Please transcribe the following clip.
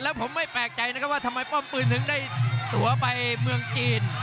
แล้วผมไม่แปลกใจนะครับว่าทำไมป้อมปืนถึงได้ตัวไปเมืองจีน